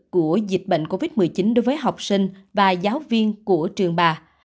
của dịch bệnh covid một mươi chín đối với học sinh và giáo viên của trường bà